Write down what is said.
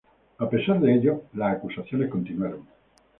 A pesar de ello, las acusaciones continuaron.